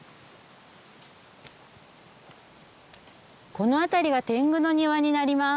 この辺りが天狗の庭になります。